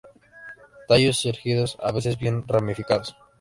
Tallos erguidos, a veces bien ramificados.